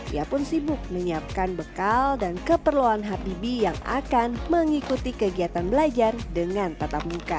ia pun sibuk menyiapkan bekal dan keperluan habibie yang akan mengikuti kegiatan belajar dengan tatap muka